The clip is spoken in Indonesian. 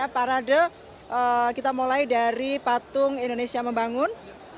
parade kita mulai dari patung indonesia membangun